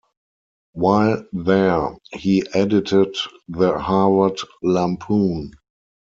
While there, he edited the Harvard Lampoon.